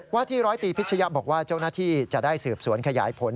ที่ร้อยตีพิชยะบอกว่าเจ้าหน้าที่จะได้สืบสวนขยายผล